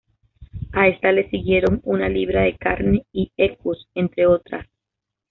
A esta le siguieron "Una libra de carne" y "Equus", entre otras.